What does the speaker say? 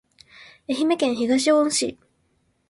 愛媛県東温市